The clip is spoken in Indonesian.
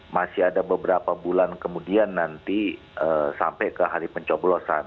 masih ada beberapa bulan kemudian nanti sampai ke hari pencoblosan